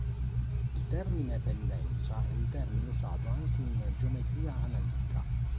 Il termine pendenza è un termine usato anche in geometria analitica.